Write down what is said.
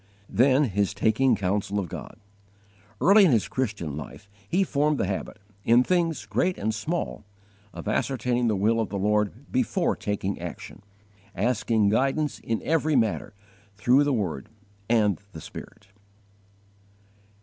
4. Then his taking counsel of God. Early in his Christian life he formed the habit, in things great and small, of ascertaining the will of the Lord before taking action, asking guidance in every matter, through the Word and the Spirit.